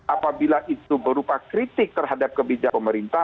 apabila itu berupa kritik terhadap kebijakan pemerintah